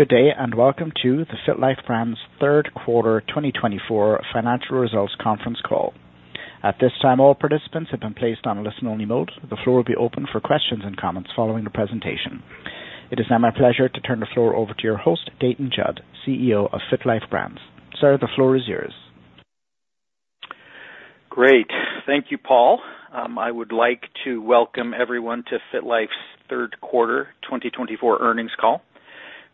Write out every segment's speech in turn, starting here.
Good day and welcome to the FitLife Brands third quarter 2024 financial results conference call. At this time, all participants have been placed on a listen-only mode. The floor will be open for questions and comments following the presentation. It is now my pleasure to turn the floor over to your host, Dayton Judd, CEO of FitLife Brands. Sir, the floor is yours. Great. Thank you, Paul. I would like to welcome everyone to FitLife's third quarter 2024 earnings call.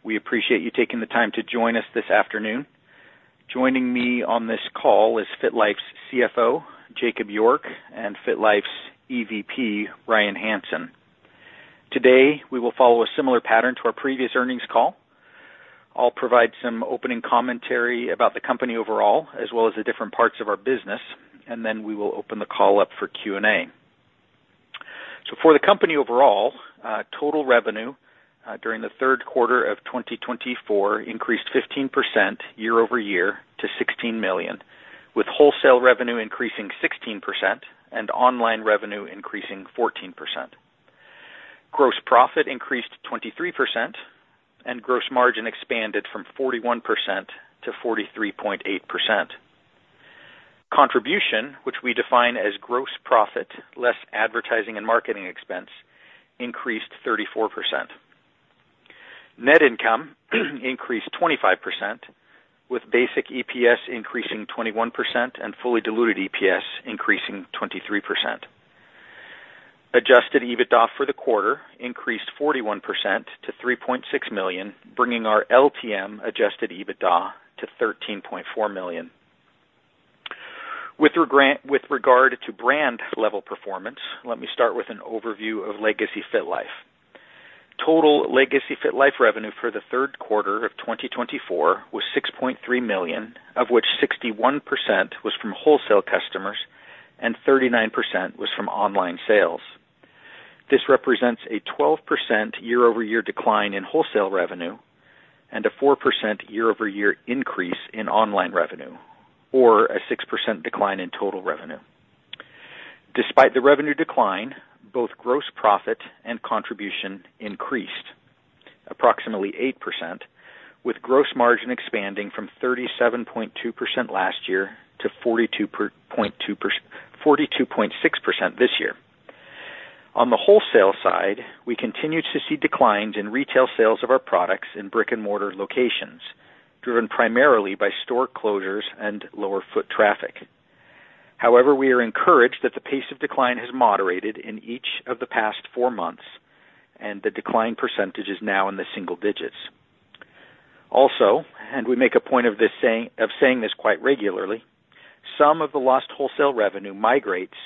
We appreciate you taking the time to join us this afternoon. Joining me on this call is FitLife's CFO, Jakob York, and FitLife's EVP, Ryan Hansen. Today, we will follow a similar pattern to our previous earnings call. I'll provide some opening commentary about the company overall, as well as the different parts of our business, and then we will open the call up for Q&A. So for the company overall, total revenue during the third quarter of 2024 increased 15% year-over-year to $16 million, with wholesale revenue increasing 16% and online revenue increasing 14%. Gross profit increased 23%, and gross margin expanded from 41% to 43.8%. Contribution, which we define as gross profit less advertising and marketing expense, increased 34%. Net income increased 25%, with basic EPS increasing 21% and fully diluted EPS increasing 23%. Adjusted EBITDA for the quarter increased 41% to $3.6 million, bringing our LTM adjusted EBITDA to $13.4 million. With regard to brand-level performance, let me start with an overview of legacy FitLife. Total legacy FitLife revenue for the third quarter of 2024 was $6.3 million, of which 61% was from wholesale customers and 39% was from online sales. This represents a 12% year-over-year decline in wholesale revenue and a 4% year-over-year increase in online revenue, or a 6% decline in total revenue. Despite the revenue decline, both gross profit and contribution increased approximately 8%, with gross margin expanding from 37.2% last year to 42.6% this year. On the wholesale side, we continue to see declines in retail sales of our products in brick-and-mortar locations, driven primarily by store closures and lower foot traffic. However, we are encouraged that the pace of decline has moderated in each of the past four months, and the decline percentage is now in the single digits. Also, and we make a point of saying this quite regularly, some of the lost wholesale revenue migrates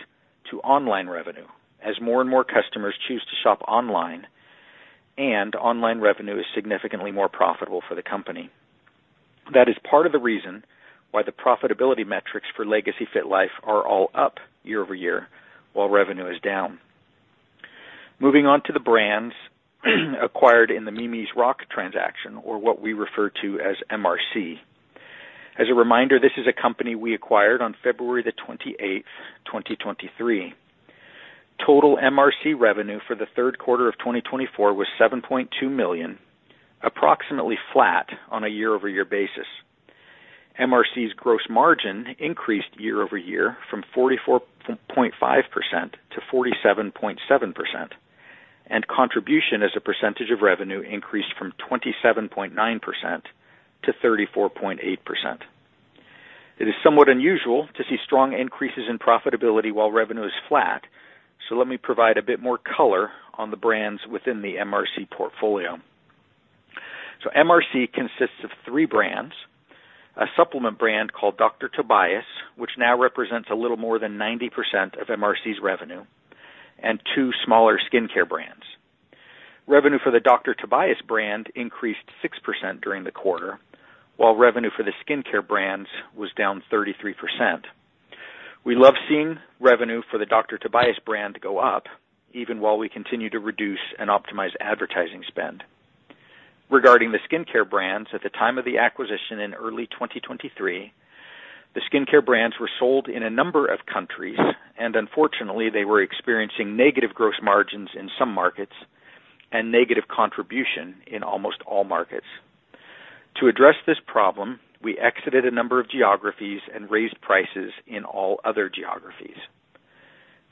to online revenue as more and more customers choose to shop online, and online revenue is significantly more profitable for the company. That is part of the reason why the profitability metrics for legacy FitLife are all up year-over-year, while revenue is down. Moving on to the brands acquired in the Mimi's Rock transaction, or what we refer to as MRC. As a reminder, this is a company we acquired on February the 28th, 2023. Total MRC revenue for the third quarter of 2024 was $7.2 million, approximately flat on a year-over-year basis. MRC's gross margin increased year-over-year from 44.5% to 47.7%, and contribution as a percentage of revenue increased from 27.9% to 34.8%. It is somewhat unusual to see strong increases in profitability while revenue is flat, so let me provide a bit more color on the brands within the MRC portfolio. MRC consists of three brands: a supplement brand called Dr. Tobias, which now represents a little more than 90% of MRC's revenue, and two smaller skincare brands. Revenue for the Dr. Tobias brand increased 6% during the quarter, while revenue for the skincare brands was down 33%. We love seeing revenue for the Dr. Tobias brand go up, even while we continue to reduce and optimize advertising spend. Regarding the skincare brands, at the time of the acquisition in early 2023, the skincare brands were sold in a number of countries, and unfortunately, they were experiencing negative gross margins in some markets and negative contribution in almost all markets. To address this problem, we exited a number of geographies and raised prices in all other geographies.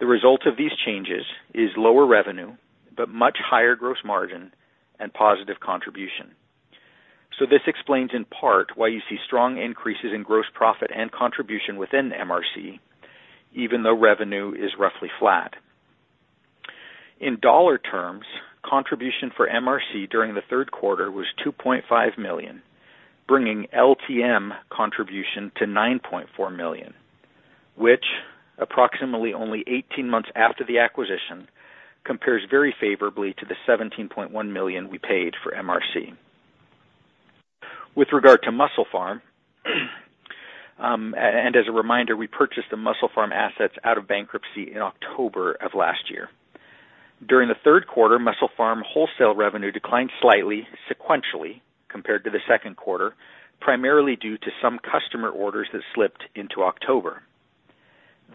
The result of these changes is lower revenue, but much higher gross margin, and positive contribution. So this explains in part why you see strong increases in gross profit and contribution within MRC, even though revenue is roughly flat. In dollar terms, contribution for MRC during the third quarter was $2.5 million, bringing LTM contribution to $9.4 million, which, approximately only 18 months after the acquisition, compares very favorably to the $17.1 million we paid for MRC. With regard to MusclePharm, and as a reminder, we purchased the MusclePharm assets out of bankruptcy in October of last year. During the third quarter, MusclePharm wholesale revenue declined slightly sequentially compared to the second quarter, primarily due to some customer orders that slipped into October.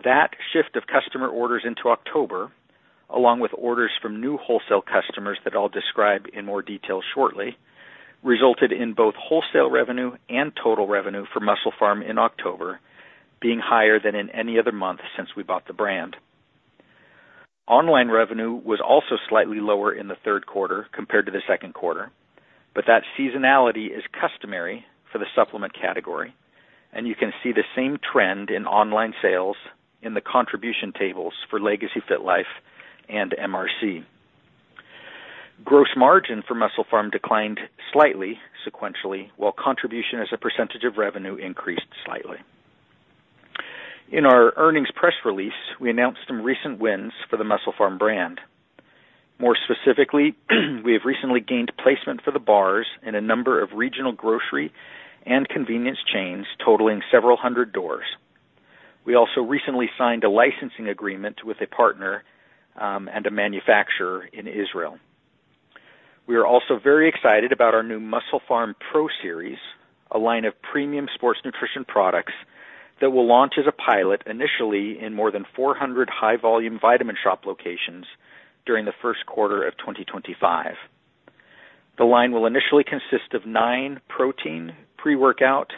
That shift of customer orders into October, along with orders from new wholesale customers that I'll describe in more detail shortly, resulted in both wholesale revenue and total revenue for MusclePharm in October being higher than in any other month since we bought the brand. Online revenue was also slightly lower in the third quarter compared to the second quarter, but that seasonality is customary for the supplement category, and you can see the same trend in online sales in the contribution tables for legacy FitLife and MRC. Gross margin for MusclePharm declined slightly sequentially, while contribution as a percentage of revenue increased slightly. In our earnings press release, we announced some recent wins for the MusclePharm brand. More specifically, we have recently gained placement for the bars in a number of regional grocery and convenience chains totaling several hundred doors. We also recently signed a licensing agreement with a partner and a manufacturer in Israel. We are also very excited about our new MusclePharm Pro Series, a line of premium sports nutrition products that will launch as a pilot initially in more than 400 high-volume Vitamin Shoppe locations during the first quarter of 2025. The line will initially consist of nine protein, pre-workout,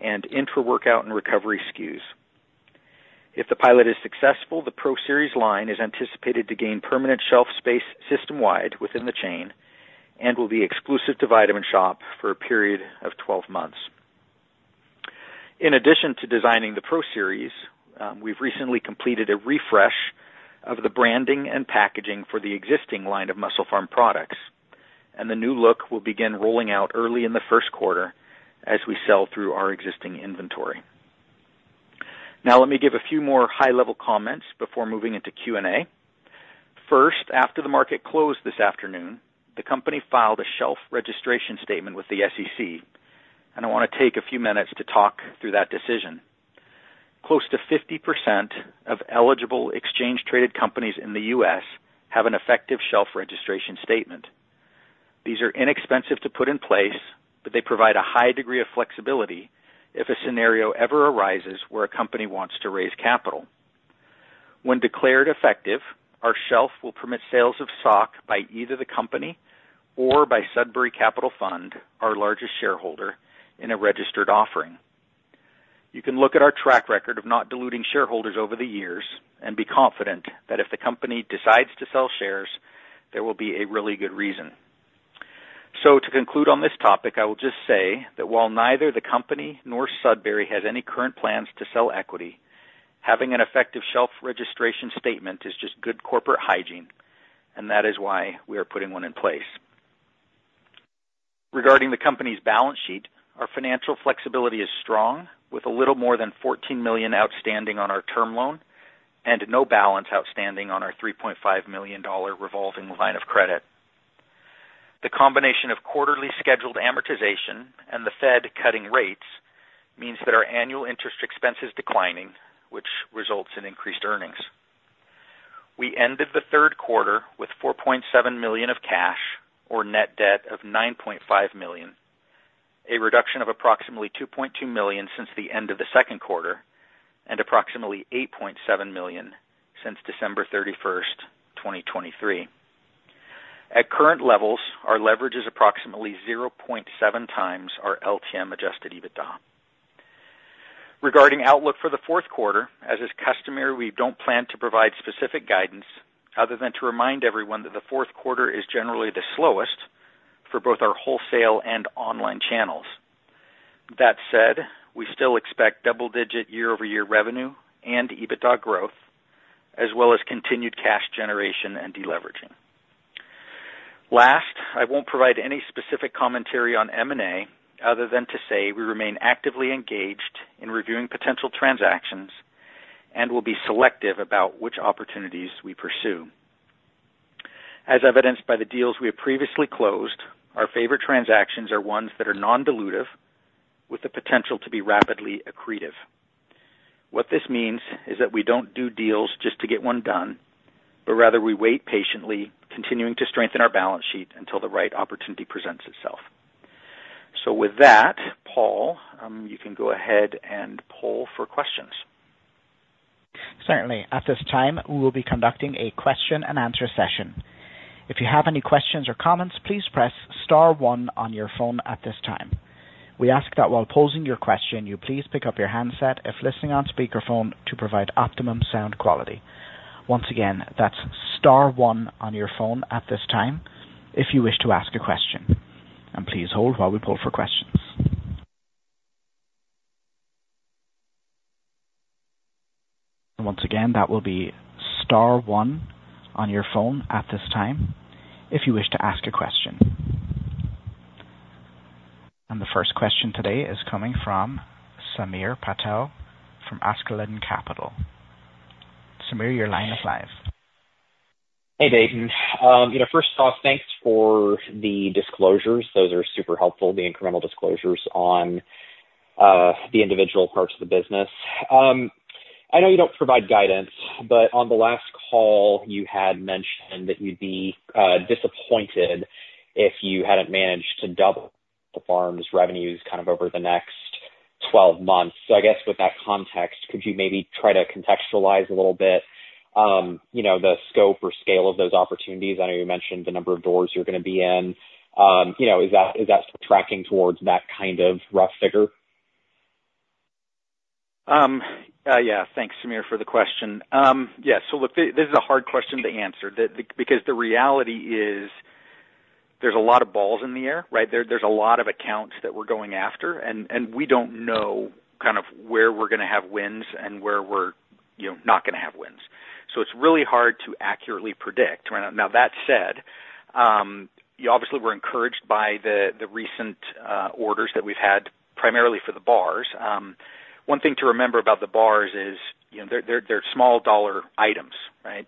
and intra-workout and recovery SKUs. If the pilot is successful, the Pro Series line is anticipated to gain permanent shelf space system-wide within the chain and will be exclusive to The Vitamin Shoppe for a period of 12 months. In addition to designing the Pro Series, we've recently completed a refresh of the branding and packaging for the existing line of MusclePharm products, and the new look will begin rolling out early in the first quarter as we sell through our existing inventory. Now, let me give a few more high-level comments before moving into Q&A. First, after the market closed this afternoon, the company filed a shelf registration statement with the SEC, and I want to take a few minutes to talk through that decision. Close to 50% of eligible exchange-traded companies in the U.S. have an effective shelf registration statement. These are inexpensive to put in place, but they provide a high degree of flexibility if a scenario ever arises where a company wants to raise capital. When declared effective, our shelf will permit sales of stock by either the company or by Sudbury Capital Fund, our largest shareholder, in a registered offering. You can look at our track record of not diluting shareholders over the years and be confident that if the company decides to sell shares, there will be a really good reason. So, to conclude on this topic, I will just say that while neither the company nor Sudbury has any current plans to sell equity, having an effective shelf registration statement is just good corporate hygiene, and that is why we are putting one in place. Regarding the company's balance sheet, our financial flexibility is strong, with a little more than $14 million outstanding on our term loan and no balance outstanding on our $3.5 million revolving line of credit. The combination of quarterly scheduled amortization and the Fed cutting rates means that our annual interest expenses are declining, which results in increased earnings. We ended the third quarter with $4.7 million of cash or net debt of $9.5 million, a reduction of approximately $2.2 million since the end of the second quarter and approximately $8.7 million since December 31st, 2023. At current levels, our leverage is approximately 0.7 times our LTM adjusted EBITDA. Regarding outlook for the fourth quarter, as is customary, we don't plan to provide specific guidance other than to remind everyone that the fourth quarter is generally the slowest for both our wholesale and online channels. That said, we still expect double-digit year-over-year revenue and EBITDA growth, as well as continued cash generation and deleveraging. Last, I won't provide any specific commentary on M&A other than to say we remain actively engaged in reviewing potential transactions and will be selective about which opportunities we pursue. As evidenced by the deals we have previously closed, our favorite transactions are ones that are non-dilutive, with the potential to be rapidly accretive. What this means is that we don't do deals just to get one done, but rather we wait patiently, continuing to strengthen our balance sheet until the right opportunity presents itself. So with that, Paul, you can go ahead and poll for questions. Certainly. At this time, we will be conducting a question-and-answer session. If you have any questions or comments, please press star one on your phone at this time. We ask that while posing your question, you please pick up your handset, if listening on speakerphone, to provide optimum sound quality. Once again, that's star one on your phone at this time if you wish to ask a question, and please hold while we poll for questions, and once again, that will be star one on your phone at this time if you wish to ask a question, and the first question today is coming from Samir Patel from Askeladden Capital. Samir, your line is live. Hey, Dayton. First off, thanks for the disclosures. Those are super helpful, the incremental disclosures on the individual parts of the business. I know you don't provide guidance, but on the last call, you had mentioned that you'd be disappointed if you hadn't managed to double the firm's revenues kind of over the next 12 months. So I guess with that context, could you maybe try to contextualize a little bit the scope or scale of those opportunities? I know you mentioned the number of doors you're going to be in. Is that tracking towards that kind of rough figure? Yeah. Thanks, Samir, for the question. Yeah. So look, this is a hard question to answer because the reality is there's a lot of balls in the air, right? There's a lot of accounts that we're going after, and we don't know kind of where we're going to have wins and where we're not going to have wins. So it's really hard to accurately predict. Now, that said, obviously, we're encouraged by the recent orders that we've had, primarily for the bars. One thing to remember about the bars is they're small dollar items, right?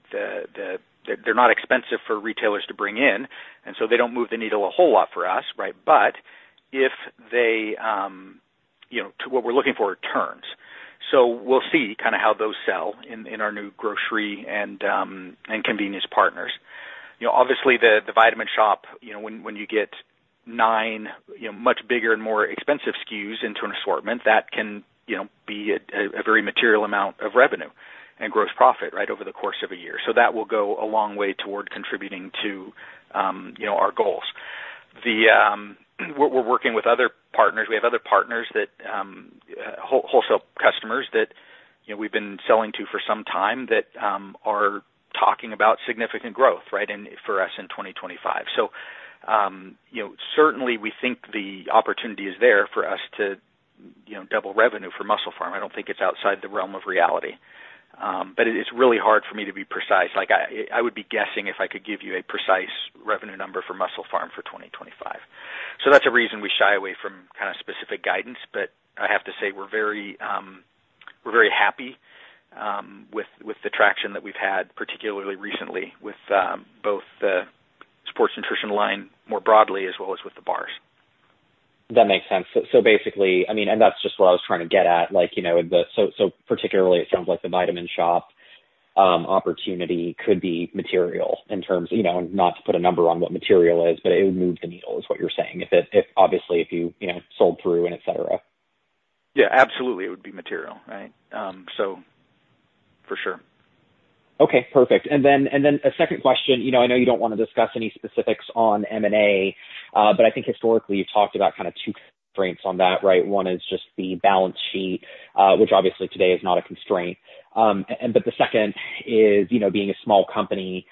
They're not expensive for retailers to bring in, and so they don't move the needle a whole lot for us, right? But if they—what we're looking for are turns. So we'll see kind of how those sell in our new grocery and convenience partners. Obviously, The Vitamin Shoppe, when you get nine much bigger and more expensive SKUs into an assortment, that can be a very material amount of revenue and gross profit, right, over the course of a year. So that will go a long way toward contributing to our goals. We're working with other partners. We have other partners that, wholesale customers that we've been selling to for some time, that are talking about significant growth, right, for us in 2025. So certainly, we think the opportunity is there for us to double revenue for MusclePharm. I don't think it's outside the realm of reality. But it's really hard for me to be precise. I would be guessing if I could give you a precise revenue number for MusclePharm for 2025. So that's a reason we shy away from kind of specific guidance, but I have to say we're very happy with the traction that we've had, particularly recently with both the sports nutrition line more broadly as well as with the bars. That makes sense. So basically, I mean, and that's just what I was trying to get at. So particularly, it sounds like the Vitamin Shoppe opportunity could be material in terms—not to put a number on what material is, but it would move the needle, is what you're saying, obviously, if you sold through and etc. Yeah. Absolutely. It would be material, right? So for sure. Okay. Perfect. And then a second question. I know you don't want to discuss any specifics on M&A, but I think historically, you've talked about kind of two constraints on that, right? One is just the balance sheet, which obviously today is not a constraint. But the second is being a small company,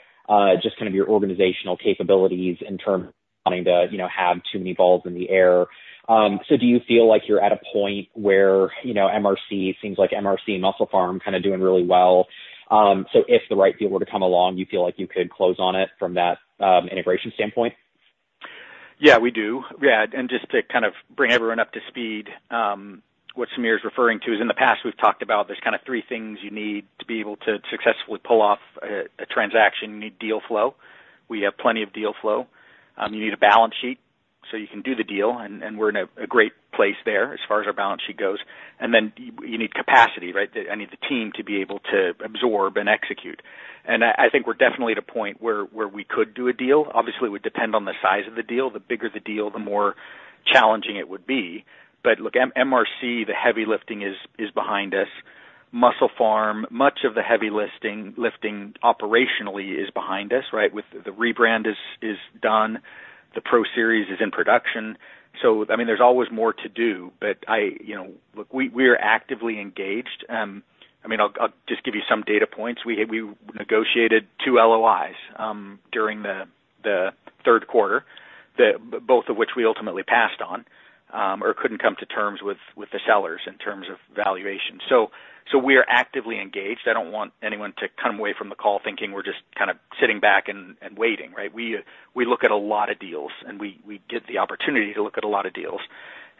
just kind of your organizational capabilities in terms of not wanting to have too many balls in the air. So do you feel like you're at a point where MRC seems like MRC and MusclePharm kind of doing really well? So if the right deal were to come along, you feel like you could close on it from that integration standpoint? Yeah, we do. Yeah. And just to kind of bring everyone up to speed, what Samir is referring to is in the past, we've talked about there's kind of three things you need to be able to successfully pull off a transaction. You need deal flow. We have plenty of deal flow. You need a balance sheet so you can do the deal, and we're in a great place there as far as our balance sheet goes. And then you need capacity, right? I need the team to be able to absorb and execute. And I think we're definitely at a point where we could do a deal. Obviously, it would depend on the size of the deal. The bigger the deal, the more challenging it would be. But look, MRC, the heavy lifting is behind us. MusclePharm, much of the heavy lifting operationally is behind us, right? The rebrand is done. The Pro Series is in production. So I mean, there's always more to do, but look, we are actively engaged. I mean, I'll just give you some data points. We negotiated two LOIs during the third quarter, both of which we ultimately passed on or couldn't come to terms with the sellers in terms of valuation. So we are actively engaged. I don't want anyone to come away from the call thinking we're just kind of sitting back and waiting, right? We look at a lot of deals, and we get the opportunity to look at a lot of deals.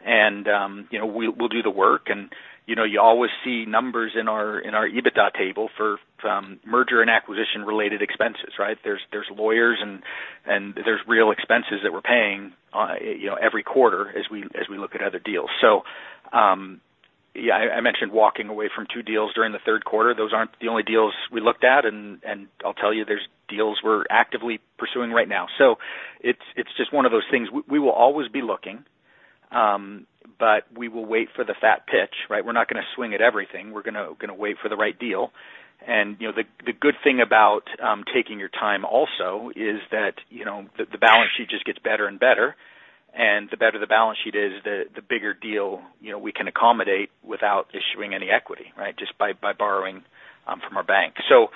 And we'll do the work. And you always see numbers in our EBITDA table for merger and acquisition-related expenses, right? There's lawyers, and there's real expenses that we're paying every quarter as we look at other deals. So yeah, I mentioned walking away from two deals during the third quarter. Those aren't the only deals we looked at, and I'll tell you, there's deals we're actively pursuing right now. So it's just one of those things. We will always be looking, but we will wait for the fat pitch, right? We're not going to swing at everything. We're going to wait for the right deal. And the good thing about taking your time also is that the balance sheet just gets better and better. And the better the balance sheet is, the bigger deal we can accommodate without issuing any equity, right, just by borrowing from our bank. So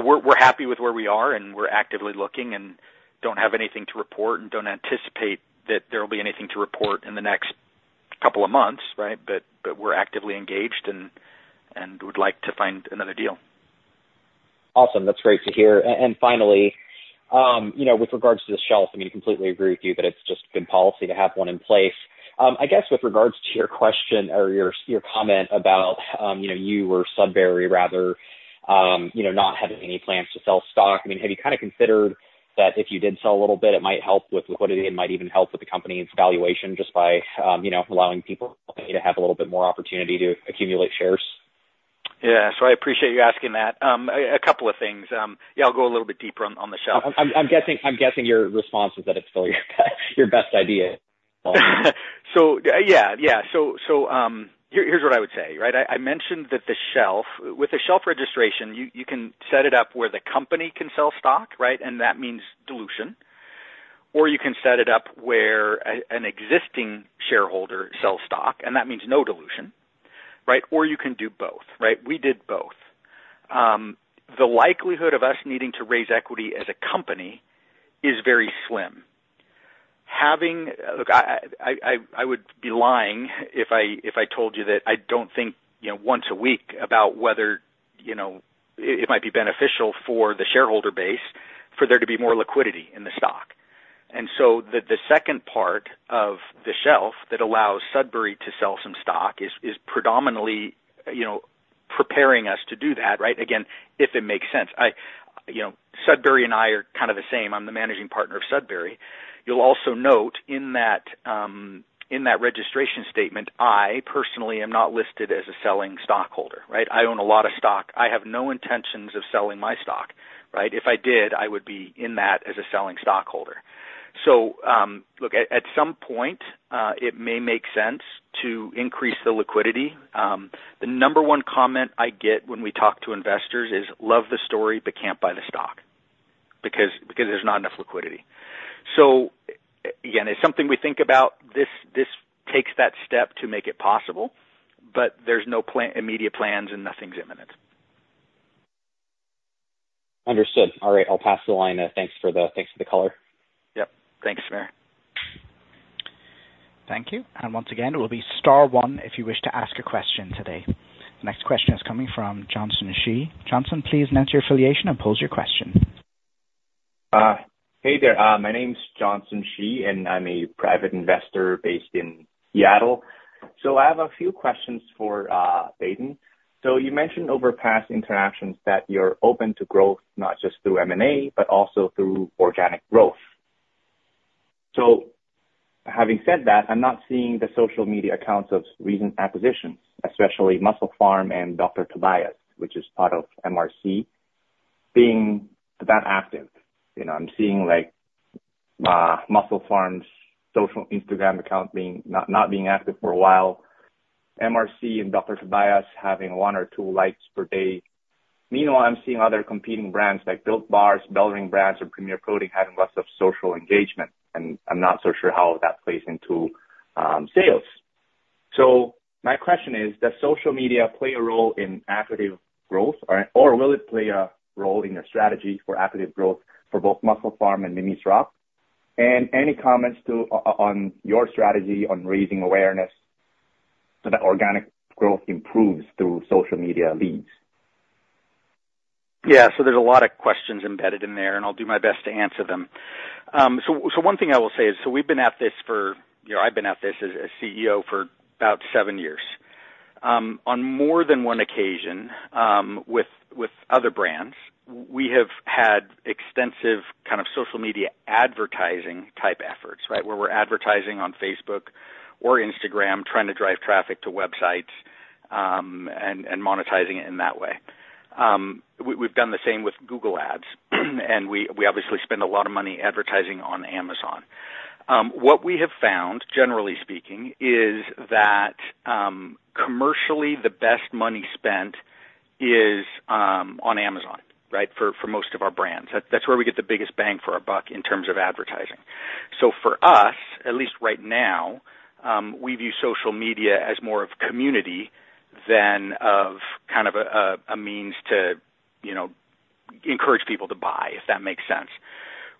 we're happy with where we are, and we're actively looking and don't have anything to report and don't anticipate that there will be anything to report in the next couple of months, right? But we're actively engaged and would like to find another deal. Awesome. That's great to hear. And finally, with regards to the shelf, I mean, I completely agree with you that it's just been policy to have one in place. I guess with regards to your question or your comment about you or Sudbury, rather, not having any plans to sell stock, I mean, have you kind of considered that if you did sell a little bit, it might help with liquidity and might even help with the company's valuation just by allowing people to have a little bit more opportunity to accumulate shares? Yeah. So I appreciate you asking that. A couple of things. Yeah, I'll go a little bit deeper on the shelf. I'm guessing your response is that it's still your best idea. So yeah, yeah. So here's what I would say, right? I mentioned that the shelf, with the shelf registration, you can set it up where the company can sell stock, right? And that means dilution. Or you can set it up where an existing shareholder sells stock, and that means no dilution, right? Or you can do both, right? We did both. The likelihood of us needing to raise equity as a company is very slim. Look, I would be lying if I told you that I don't think once a week about whether it might be beneficial for the shareholder base for there to be more liquidity in the stock. And so the second part of the shelf that allows Sudbury to sell some stock is predominantly preparing us to do that, right? Again, if it makes sense. Sudbury and I are kind of the same. I'm the managing partner of Sudbury. You'll also note in that registration statement, I personally am not listed as a selling stockholder, right? I own a lot of stock. I have no intentions of selling my stock, right? If I did, I would be in that as a selling stockholder. So look, at some point, it may make sense to increase the liquidity. The number one comment I get when we talk to investors is, "Love the story, but can't buy the stock because there's not enough liquidity." So again, it's something we think about. This takes that step to make it possible, but there's no immediate plans and nothing's imminent. Understood. All right. I'll pass the line. Thanks for the color. Yep. Thanks, Samir. Thank you. And once again, it will be star one if you wish to ask a question today. The next question is coming from Johnson Shi. Johnson. Please announce your affiliation and pose your question. Hey there. My name's Johnson Shi, and I'm a private investor based in Seattle. So I have a few questions for Dayton. So you mentioned over past interactions that you're open to growth, not just through M&A, but also through organic growth. So having said that, I'm not seeing the social media accounts of recent acquisitions, especially MusclePharm and Dr. Tobias, which is part of MRC, being that active. I'm seeing MusclePharm's social Instagram account not being active for a while, MRC and Dr. Tobias having one or two likes per day. Meanwhile, I'm seeing other competing brands like Built Bar, BellRing Brands, or Premier Protein having lots of social engagement, and I'm not so sure how that plays into sales. So my question is, does social media play a role in active growth, or will it play a role in your strategy for active growth for both MusclePharm and Mimi's Rock? And any comments on your strategy on raising awareness so that organic growth improves through social media leads? Yeah. So there's a lot of questions embedded in there, and I'll do my best to answer them. So one thing I will say is, I've been at this as CEO for about seven years. On more than one occasion with other brands, we have had extensive kind of social media advertising type efforts, right, where we're advertising on Facebook or Instagram trying to drive traffic to websites and monetizing it in that way. We've done the same with Google Ads, and we obviously spend a lot of money advertising on Amazon. What we have found, generally speaking, is that commercially, the best money spent is on Amazon, right, for most of our brands. That's where we get the biggest bang for our buck in terms of advertising. So for us, at least right now, we view social media as more of community than of kind of a means to encourage people to buy, if that makes sense.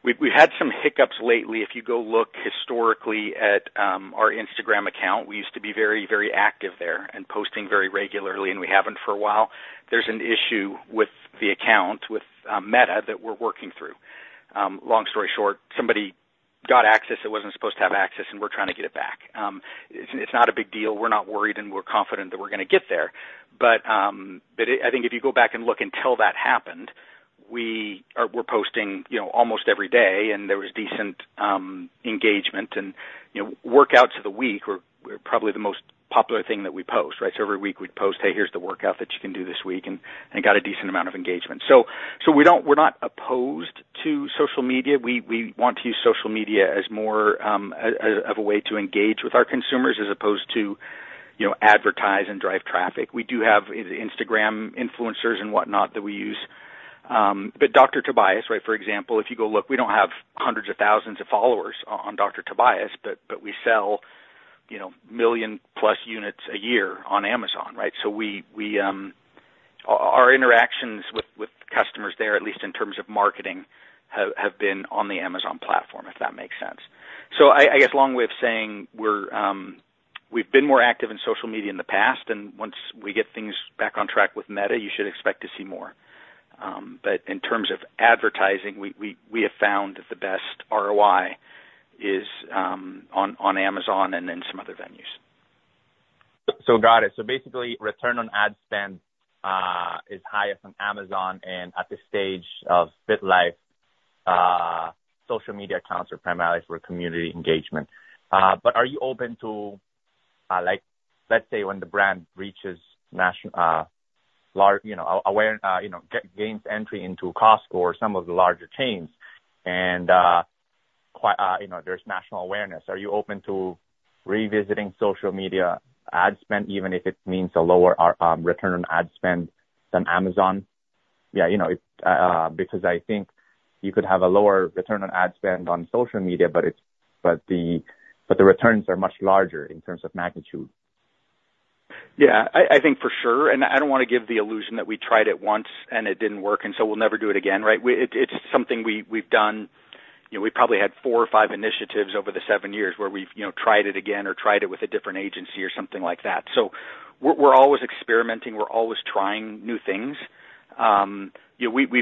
We've had some hiccups lately. If you go look historically at our Instagram account, we used to be very, very active there and posting very regularly, and we haven't for a while. There's an issue with the account with Meta that we're working through. Long story short, somebody got access that wasn't supposed to have access, and we're trying to get it back. It's not a big deal. We're not worried, and we're confident that we're going to get there. But I think if you go back and look until that happened, we're posting almost every day, and there was decent engagement. And workouts of the week were probably the most popular thing that we post, right? Every week, we'd post, "Hey, here's the workout that you can do this week," and got a decent amount of engagement. We're not opposed to social media. We want to use social media as more of a way to engage with our consumers as opposed to advertise and drive traffic. We do have Instagram influencers and whatnot that we use. But Dr. Tobias, right, for example, if you go look, we don't have hundreds of thousands of followers on Dr. Tobias, but we sell million-plus units a year on Amazon, right? Our interactions with customers there, at least in terms of marketing, have been on the Amazon platform, if that makes sense. I guess along with saying we've been more active in social media in the past, and once we get things back on track with Meta, you should expect to see more. But in terms of advertising, we have found that the best ROI is on Amazon and in some other venues. So got it. So basically, return on ad spend is highest on Amazon, and at this stage of FitLife, social media accounts are primarily for community engagement. But are you open to, let's say, when the brand reaches gains entry into Costco or some of the larger chains and there's national awareness, are you open to revisiting social media ad spend, even if it means a lower return on ad spend than Amazon? Yeah, because I think you could have a lower return on ad spend on social media, but the returns are much larger in terms of magnitude. Yeah. I think for sure. And I don't want to give the illusion that we tried it once and it didn't work, and so we'll never do it again, right? It's something we've done. We probably had four or five initiatives over the seven years where we've tried it again or tried it with a different agency or something like that. So we're always experimenting. We're always trying new things. We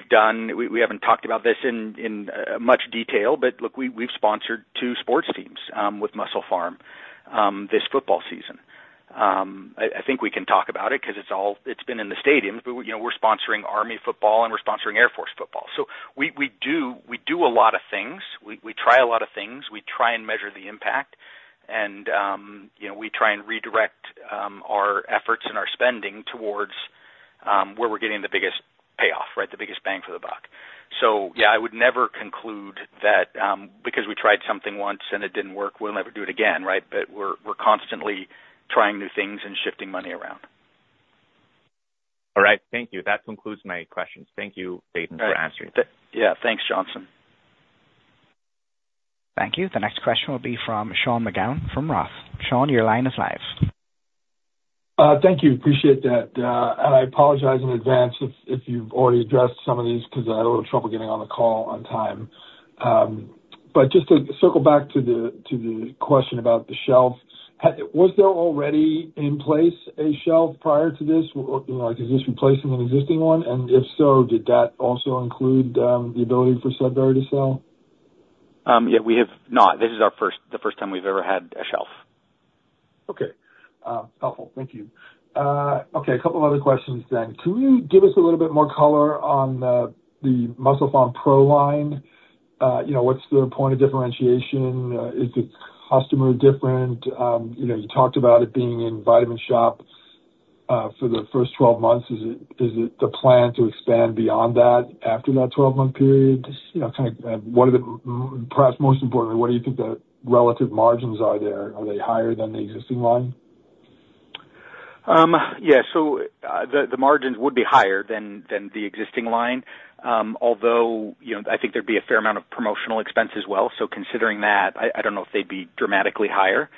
haven't talked about this in much detail, but look, we've sponsored two sports teams with MusclePharm this football season. I think we can talk about it because it's been in the stadiums. We're sponsoring Army football, and we're sponsoring Air Force football. So we do a lot of things. We try a lot of things. We try and measure the impact, and we try and redirect our efforts and our spending towards where we're getting the biggest payoff, right, the biggest bang for the buck. So yeah, I would never conclude that because we tried something once and it didn't work, we'll never do it again, right? But we're constantly trying new things and shifting money around. All right. Thank you. That concludes my questions. Thank you, Dayton, for answering. Yeah. Thanks, Johnson. Thank you. The next question will be from Sean McGowan from Roth. Sean, your line is live. Thank you. Appreciate that. And I apologize in advance if you've already addressed some of these because I had a little trouble getting on the call on time. But just to circle back to the question about the shelf, was there already in place a shelf prior to this? Is this replacing an existing one? And if so, did that also include the ability for Sudbury to sell? Yeah. We have not. This is the first time we've ever had a shelf. Okay. Helpful. Thank you. Okay. A couple of other questions then. Can you give us a little bit more color on the MusclePharm Pro line? What's the point of differentiation? Is the customer different? You talked about it being in Vitamin Shoppe for the first 12 months. Is it the plan to expand beyond that after that 12-month period? Kind of what are the perhaps most importantly, what do you think the relative margins are there? Are they higher than the existing line? Yeah. So the margins would be higher than the existing line, although I think there'd be a fair amount of promotional expense as well. So considering that, I don't know if they'd be dramatically higher.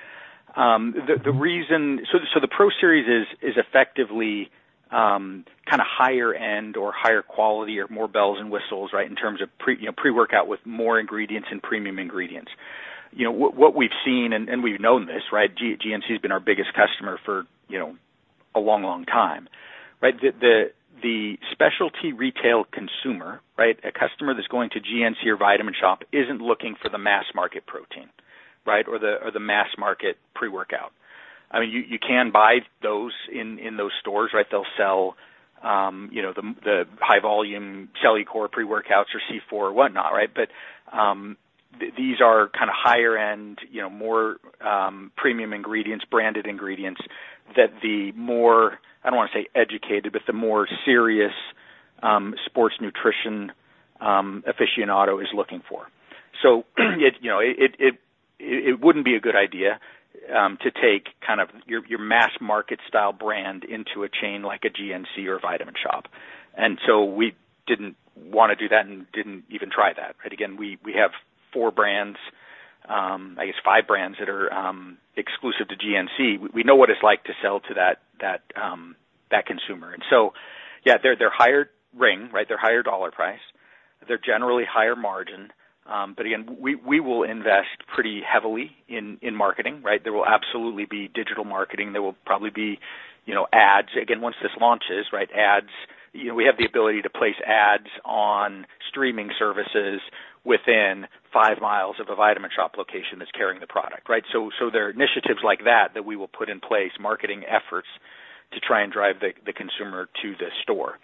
So the Pro Series is effectively kind of higher-end or higher quality or more bells and whistles, right, in terms of pre-workout with more ingredients and premium ingredients. What we've seen, and we've known this, right, GNC has been our biggest customer for a long, long time, right? The specialty retail consumer, right, a customer that's going to GNC or Vitamin Shoppe isn't looking for the mass-market protein, right, or the mass-market pre-workout. I mean, you can buy those in those stores, right? They'll sell the high-volume Cellucor pre-workouts or C4 or whatnot, right? But these are kind of higher-end, more premium ingredients, branded ingredients that the more, I don't want to say educated, but the more serious sports nutrition aficionado is looking for. So it wouldn't be a good idea to take kind of your mass-market style brand into a chain like a GNC or Vitamin Shoppe. And so we didn't want to do that and didn't even try that, right? Again, we have four brands, I guess five brands that are exclusive to GNC. We know what it's like to sell to that consumer. And so yeah, they're higher ring, right? They're higher dollar price. They're generally higher margin. But again, we will invest pretty heavily in marketing, right? There will absolutely be digital marketing. There will probably be ads. Again, once this launches, right, ads, we have the ability to place ads on streaming services within five miles of a Vitamin Shoppe location that's carrying the product, right? So there are initiatives like that that we will put in place, marketing efforts to try and drive the consumer to the store.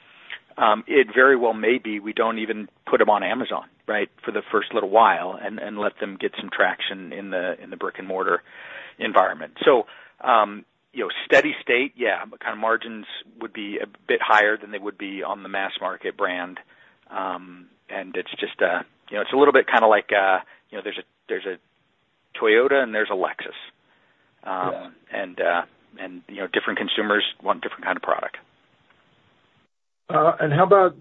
It very well may be we don't even put them on Amazon, right, for the first little while and let them get some traction in the brick-and-mortar environment. So steady state, yeah, kind of margins would be a bit higher than they would be on the mass-market brand. And it's just a, it's a little bit kind of like there's a Toyota and there's a Lexus, and different consumers want different kind of product. How about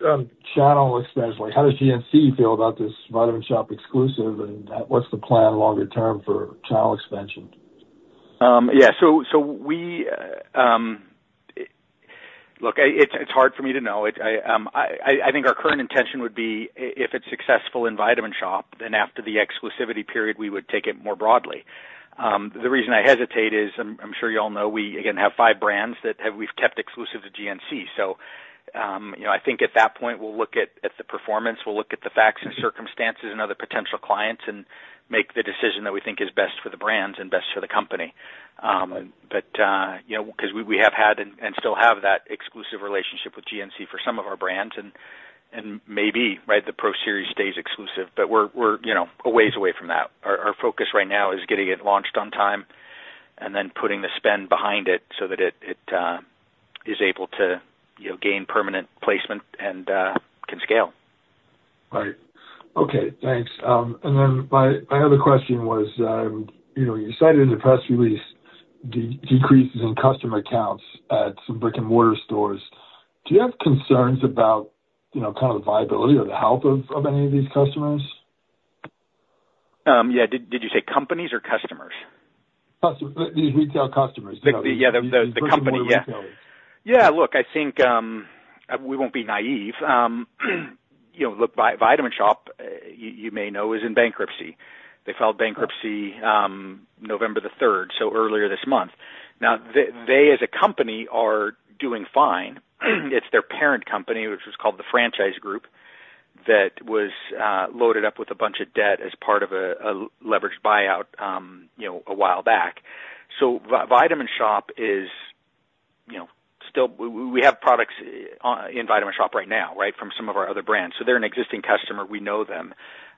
channel expansion? How does GNC feel about this Vitamin Shoppe exclusive, and what's the plan longer term for channel expansion? Yeah. So look, it's hard for me to know. I think our current intention would be, if it's successful in Vitamin Shoppe, then after the exclusivity period, we would take it more broadly. The reason I hesitate is, I'm sure you all know, we again have five brands that we've kept exclusive to GNC. So I think at that point, we'll look at the performance. We'll look at the facts and circumstances and other potential clients and make the decision that we think is best for the brands and best for the company. But because we have had and still have that exclusive relationship with GNC for some of our brands, and maybe, right, the Pro Series stays exclusive, but we're a ways away from that. Our focus right now is getting it launched on time and then putting the spend behind it so that it is able to gain permanent placement and can scale. Right. Okay. Thanks. And then my other question was, you cited in the press release decreases in customer counts at some brick-and-mortar stores. Do you have concerns about kind of the viability or the health of any of these customers? Yeah. Did you say companies or customers? These retail customers. Yeah. Yeah. Look, I think we won't be naive. Look, Vitamin Shoppe, you may know, is in bankruptcy. They filed bankruptcy November the 3rd, so earlier this month. Now, they as a company are doing fine. It's their parent company, which was called the Franchise Group, that was loaded up with a bunch of debt as part of a leveraged buyout a while back. So Vitamin Shoppe is still. We have products in Vitamin Shoppe right now, right, from some of our other brands. So they're an existing customer. We know them.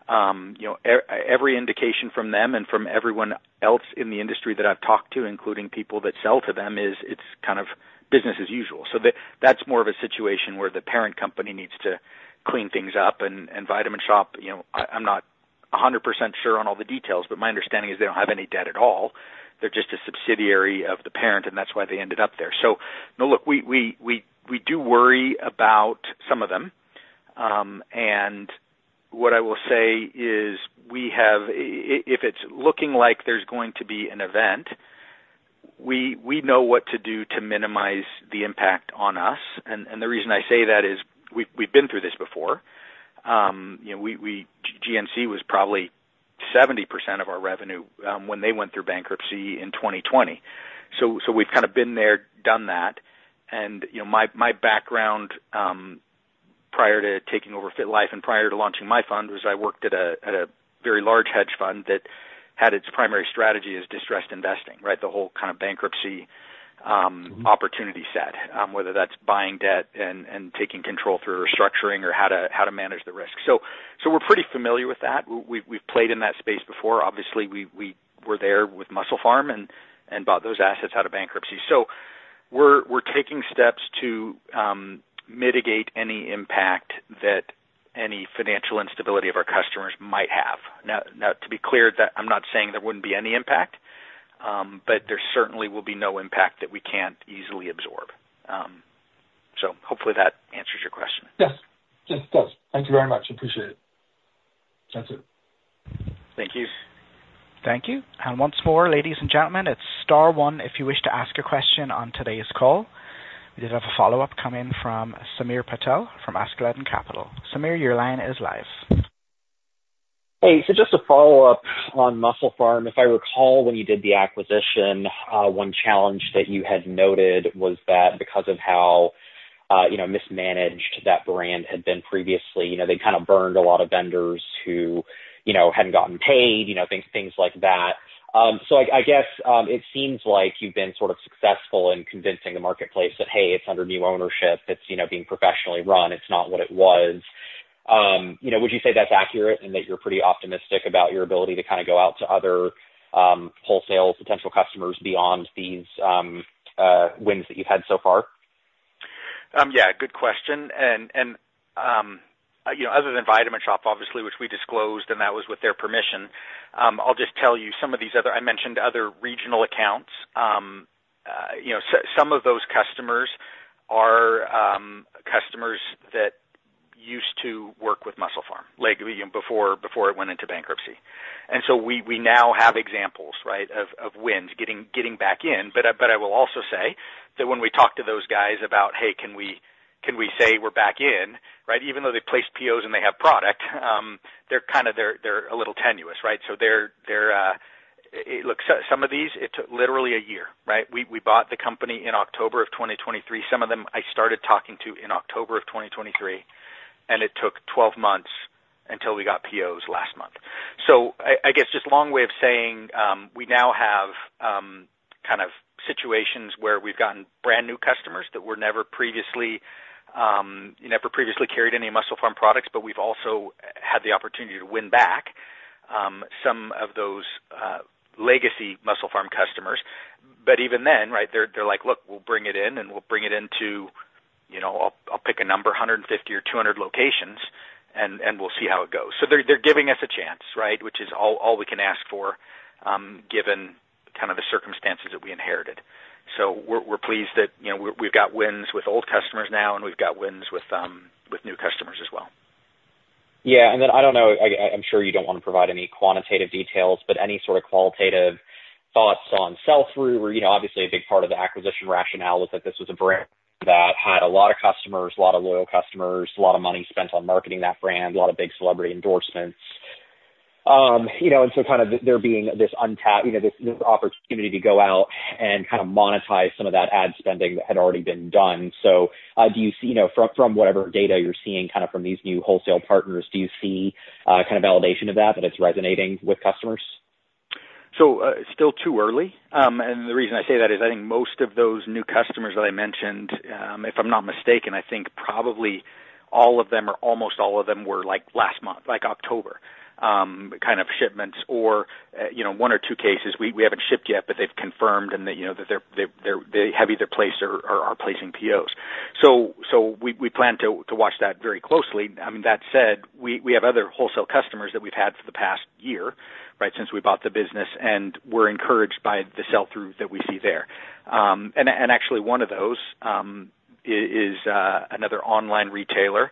Every indication from them and from everyone else in the industry that I've talked to, including people that sell to them, is it's kind of business as usual. So that's more of a situation where the parent company needs to clean things up. And Vitamin Shoppe, I'm not 100% sure on all the details, but my understanding is they don't have any debt at all. They're just a subsidiary of the parent, and that's why they ended up there. So look, we do worry about some of them. And what I will say is, if it's looking like there's going to be an event, we know what to do to minimize the impact on us. And the reason I say that is we've been through this before. GNC was probably 70% of our revenue when they went through bankruptcy in 2020. So we've kind of been there, done that. And my background prior to taking over FitLife and prior to launching my fund was I worked at a very large hedge fund that had its primary strategy as distressed investing, right, the whole kind of bankruptcy opportunity set, whether that's buying debt and taking control through restructuring or how to manage the risk. So we're pretty familiar with that. We've played in that space before. Obviously, we were there with MusclePharm and bought those assets out of bankruptcy. So we're taking steps to mitigate any impact that any financial instability of our customers might have. Now, to be clear, I'm not saying there wouldn't be any impact, but there certainly will be no impact that we can't easily absorb. So hopefully, that answers your question. Yes. Yes. It does. Thank you very much. Appreciate it. That's it. Thank you. Thank you. And once more, ladies and gentlemen, it's star one if you wish to ask a question on today's call. We did have a follow-up come in from Samir Patel from Askeladden Capital. Samir, your line is live. Hey. So just to follow up on MusclePharm, if I recall when you did the acquisition, one challenge that you had noted was that because of how mismanaged that brand had been previously, they kind of burned a lot of vendors who hadn't gotten paid, things like that. So I guess it seems like you've been sort of successful in convincing the marketplace that, hey, it's under new ownership. It's being professionally run. It's not what it was. Would you say that's accurate and that you're pretty optimistic about your ability to kind of go out to other wholesale potential customers beyond these wins that you've had so far? Yeah. Good question. And other than Vitamin Shoppe, obviously, which we disclosed, and that was with their permission, I'll just tell you some of these other. I mentioned other regional accounts. Some of those customers are customers that used to work with MusclePharm before it went into bankruptcy. And so we now have examples, right, of wins getting back in. But I will also say that when we talk to those guys about, "Hey, can we say we're back in?" right, even though they placed POs and they have product, they're kind of a little tenuous, right? So look, some of these, it took literally a year, right? We bought the company in October of 2023. Some of them I started talking to in October of 2023, and it took 12 months until we got POs last month. So I guess just a long way of saying we now have kind of situations where we've gotten brand new customers that were never previously carried any MusclePharm products, but we've also had the opportunity to win back some of those legacy MusclePharm customers. But even then, right, they're like, "Look, we'll bring it in, and we'll bring it into, I'll pick a number, 150 or 200 locations, and we'll see how it goes." So they're giving us a chance, right, which is all we can ask for given kind of the circumstances that we inherited. So we're pleased that we've got wins with old customers now, and we've got wins with new customers as well. Yeah. And then, I don't know. I'm sure you don't want to provide any quantitative details, but any sort of qualitative thoughts on sell-through were obviously a big part of the acquisition rationale was that this was a brand that had a lot of customers, a lot of loyal customers, a lot of money spent on marketing that brand, a lot of big celebrity endorsements. And so, kind of, there being this opportunity to go out and kind of monetize some of that ad spending that had already been done. So, do you see from whatever data you're seeing, kind of, from these new wholesale partners, do you see kind of validation of that, that it's resonating with customers? So still too early. And the reason I say that is I think most of those new customers that I mentioned, if I'm not mistaken, I think probably all of them, or almost all of them, were last month, like October, kind of shipments. Or one or two cases, we haven't shipped yet, but they've confirmed that they have either placed or are placing POs. So we plan to watch that very closely. I mean, that said, we have other wholesale customers that we've had for the past year, right, since we bought the business, and we're encouraged by the sell-through that we see there. And actually, one of those is another online retailer.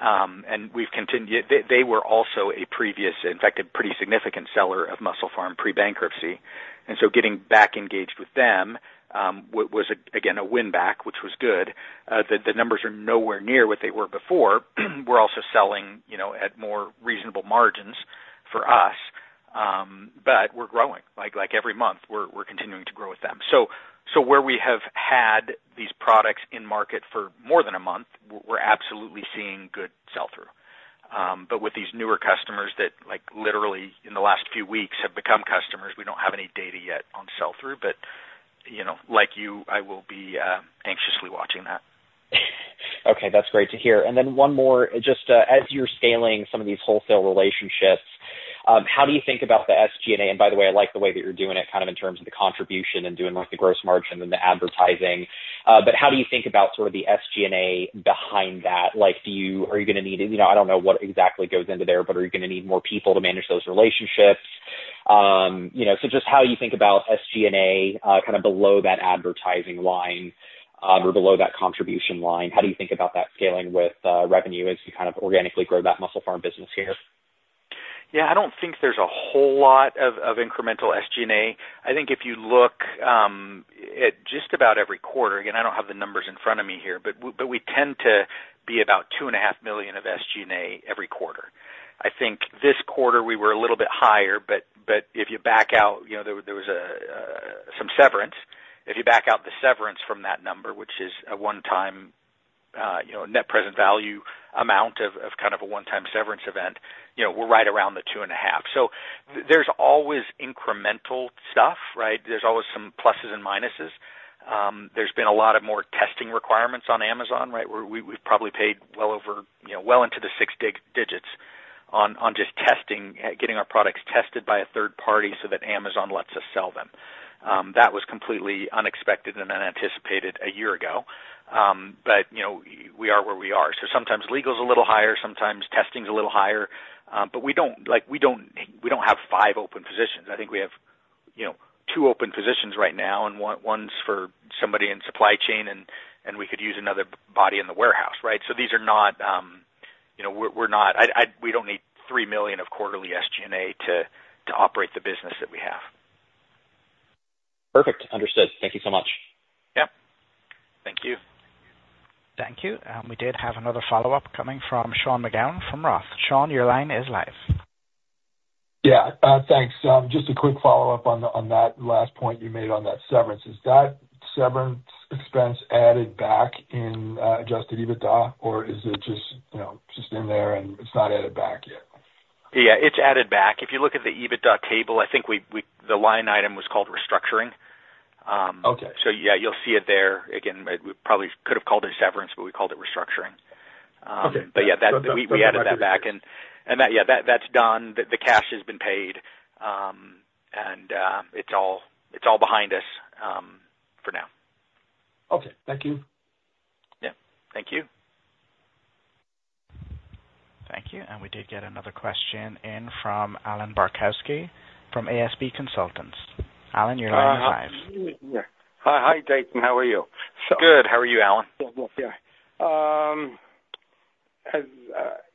And they were also a previous, in fact, a pretty significant seller of MusclePharm pre-bankruptcy. And so getting back engaged with them was, again, a win back, which was good. The numbers are nowhere near what they were before. We're also selling at more reasonable margins for us, but we're growing. Like every month, we're continuing to grow with them. So where we have had these products in market for more than a month, we're absolutely seeing good sell-through. But with these newer customers that literally in the last few weeks have become customers, we don't have any data yet on sell-through. But like you, I will be anxiously watching that. Okay. That's great to hear. And then one more, just as you're scaling some of these wholesale relationships, how do you think about the SG&A? And by the way, I like the way that you're doing it kind of in terms of the contribution and doing the gross margin and the advertising. But how do you think about sort of the SG&A behind that? Are you going to need, I don't know what exactly goes into there, but are you going to need more people to manage those relationships? So just how you think about SG&A kind of below that advertising line or below that contribution line, how do you think about that scaling with revenue as you kind of organically grow that MusclePharm business here? Yeah. I don't think there's a whole lot of incremental SG&A. I think if you look at just about every quarter, again, I don't have the numbers in front of me here, but we tend to be about $2.5 million of SG&A every quarter. I think this quarter, we were a little bit higher, but if you back out, there was some severance. If you back out the severance from that number, which is a one-time net present value amount of kind of a one-time severance event, we're right around the $2.5 million. So there's always incremental stuff, right? There's always some pluses and minuses. There's been a lot of more testing requirements on Amazon, right? We've probably paid well into the six-digit digits on just testing, getting our products tested by a third party so that Amazon lets us sell them. That was completely unexpected and unanticipated a year ago, but we are where we are. So sometimes legal's a little higher, sometimes testing's a little higher, but we don't have five open positions. I think we have two open positions right now, and one's for somebody in supply chain, and we could use another body in the warehouse, right? So these are not. We don't need $3 million of quarterly SG&A to operate the business that we have. Perfect. Understood. Thank you so much. Yep. Thank you. Thank you. And we did have another follow-up coming from Sean McGowan from Roth. Sean, your line is live. Yeah. Thanks. Just a quick follow-up on that last point you made on that severance. Is that severance expense added back in adjusted EBITDA, or is it just in there and it's not added back yet? Yeah. It's added back. If you look at the EBITDA table, I think the line item was called restructuring. So yeah, you'll see it there. Again, we probably could have called it severance, but we called it restructuring. But yeah, we added that back. And yeah, that's done. The cash has been paid, and it's all behind us for now. Okay. Thank you. Yeah. Thank you. Thank you. And we did get another question in from Alan Barkowski from ASB Consultants. Alan, your line is live. Hi, Dayton. How are you? Good. How are you, Alan? Yeah.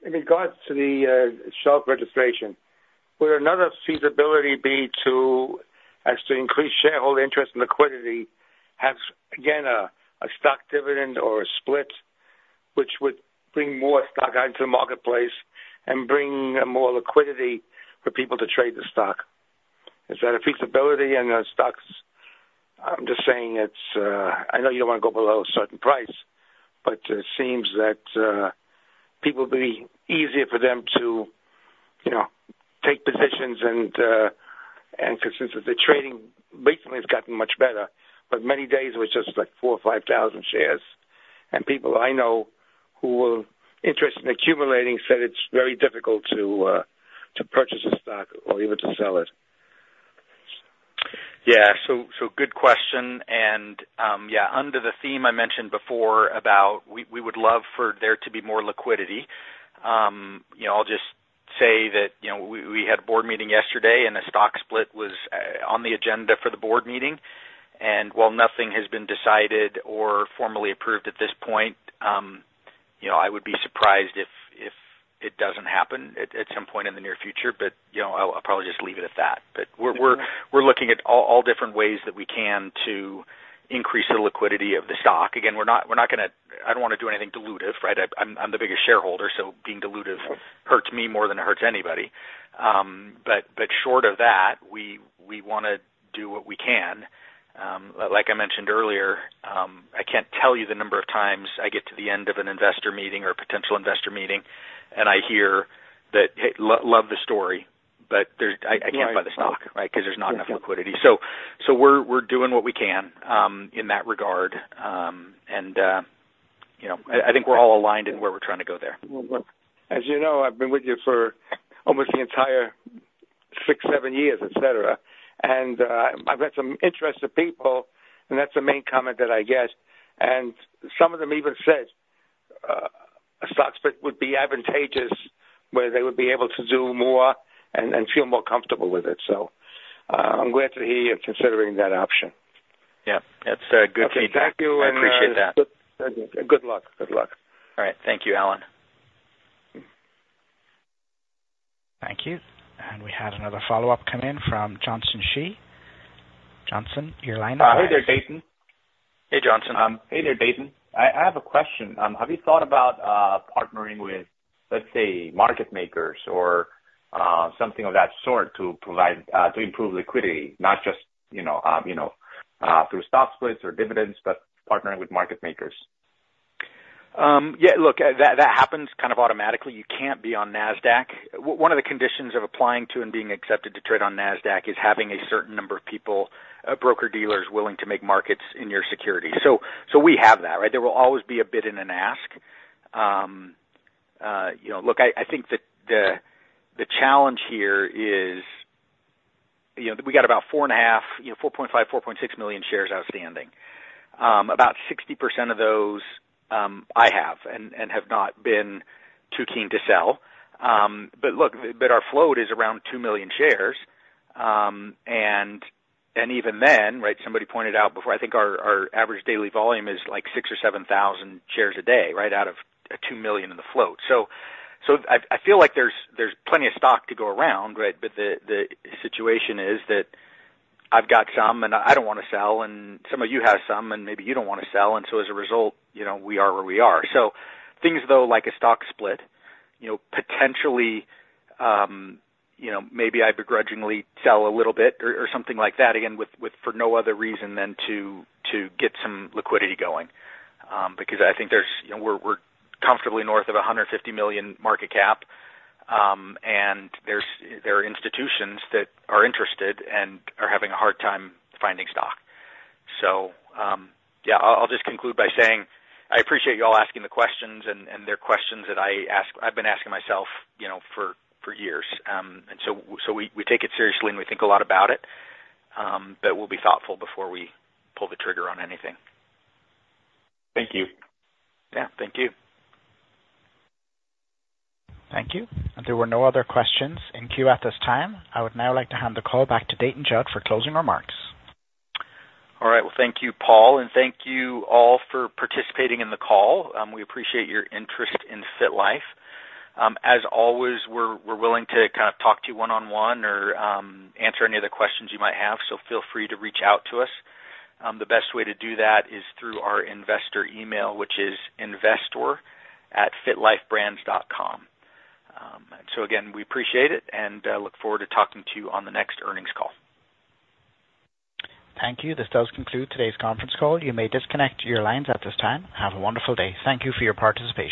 In regards to the shelf registration, would another feasibility be to, as to increase shareholder interest and liquidity, have again a stock dividend or a split, which would bring more stock out into the marketplace and bring more liquidity for people to trade the stock? Is that a feasibility? And stocks, I'm just saying it's—I know you don't want to go below a certain price, but it seems that people be easier for them to take positions. And since the trading recently has gotten much better, but many days it was just like 4,000 or 5,000 shares. And people I know who were interested in accumulating said it's very difficult to purchase a stock or even to sell it. Yeah. So, good question and yeah, under the theme I mentioned before about we would love for there to be more liquidity, I'll just say that we had a board meeting yesterday, and a stock split was on the agenda for the board meeting, and while nothing has been decided or formally approved at this point, I would be surprised if it doesn't happen at some point in the near future, but I'll probably just leave it at that, but we're looking at all different ways that we can to increase the liquidity of the stock. Again, we're not going to. I don't want to do anything dilutive, right? I'm the biggest shareholder, so being dilutive hurts me more than it hurts anybody, but short of that, we want to do what we can. Like I mentioned earlier, I can't tell you the number of times I get to the end of an investor meeting or a potential investor meeting, and I hear that, "Hey, love the story, but I can't buy the stock," right, because there's not enough liquidity. So we're doing what we can in that regard. And I think we're all aligned in where we're trying to go there. As you know, I've been with you for almost the entire six, seven years, etc. And I've had some interested people, and that's the main comment that I get. And some of them even said a stock split would be advantageous where they would be able to do more and feel more comfortable with it. So I'm glad to hear you're considering that option. Yeah. That's good feedback. Thank you. I appreciate that. Good luck. Good luck. All right. Thank you, Alan. Thank you. And we had another follow-up come in from Johnson Shi. Johnson, your line is live. Hi, there, Dayton. Hey, Johnson. Hey, there Dayton. I have a question. Have you thought about partnering with, let's say, market makers or something of that sort to improve liquidity, not just through stock splits or dividends, but partnering with market makers? Yeah. Look, that happens kind of automatically. You can't be on Nasdaq. One of the conditions of applying to and being accepted to trade on Nasdaq is having a certain number of people, broker-dealers willing to make markets in your security. So we have that, right? There will always be a bid and an ask. Look, I think that the challenge here is we got about 4.5 million-4.6 million shares outstanding. About 60% of those I have and have not been too keen to sell. But look, our float is around 2 million shares. And even then, right, somebody pointed out before, I think our average daily volume is like 6,000-7,000 shares a day, right, out of 2 million in the float. So I feel like there's plenty of stock to go around, right? But the situation is that I've got some, and I don't want to sell. And some of you have some, and maybe you don't want to sell. And so as a result, we are where we are. So things though like a stock split, potentially maybe I begrudgingly sell a little bit or something like that, again, for no other reason than to get some liquidity going because I think we're comfortably north of $150 million market cap. And there are institutions that are interested and are having a hard time finding stock. So yeah, I'll just conclude by saying I appreciate you all asking the questions, and they're questions that I've been asking myself for years. And so we take it seriously, and we think a lot about it, but we'll be thoughtful before we pull the trigger on anything. Thank you. Yeah. Thank you. Thank you. And there were no other questions in queue at this time. I would now like to hand the call back to Dayton Judd for closing remarks. All right. Thank you, Paul. Thank you all for participating in the call. We appreciate your interest in FitLife. As always, we're willing to kind of talk to you one-on-one or answer any of the questions you might have. Feel free to reach out to us. The best way to do that is through our investor email, which is investor@fitlifebrands.com. Again, we appreciate it and look forward to talking to you on the next earnings call. Thank you. This does conclude today's conference call. You may disconnect your lines at this time. Have a wonderful day. Thank you for your participation.